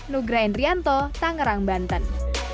nugra endrianto tangerang banten